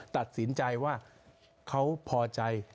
ตัดสินใจว่าเขาพอใจ